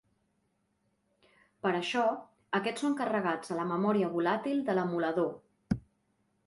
Per això, aquests són carregats a la memòria volàtil de l'emulador.